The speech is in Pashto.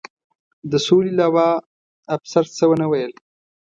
د سولې لوا، افسر څه و نه ویل.